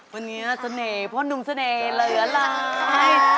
วันนี้เสน่ห์พ่อหนุ่มเสน่ห์เหลือหลาย